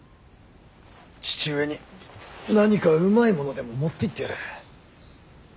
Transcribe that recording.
父上に何かうまいものでも持っていってやれ。